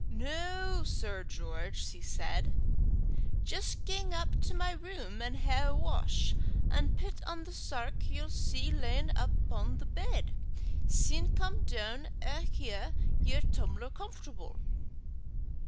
"Noo, Sir George," she said, "jist gang up to my room an' hae a wash, an' pit on the sark ye'll see lyin' upo' the bed; syne come doon an' hae yer tum'ler comfortable."